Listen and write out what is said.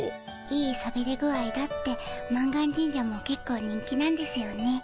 いいさびれ具合だって満願神社もけっこう人気なんですよね。